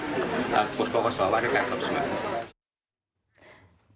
กฎก็กระสอบให้การสอบสวน